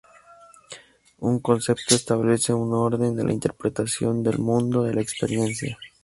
Un concepto establece un orden en la interpretación del mundo de la experiencia.